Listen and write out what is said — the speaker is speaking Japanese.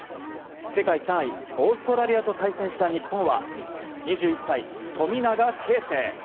世界３位オーストラリアと対戦した日本は２１歳、富永啓生。